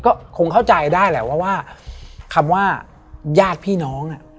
ก็คงเข้าใจได้แหละว่าคำว่าญาติพี่น้อง